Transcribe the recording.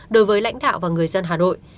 đối với lãnh đạo và người dân hà nội